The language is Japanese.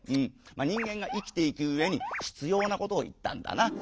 人間が生きていくうえにひつようなことを言ったんだな。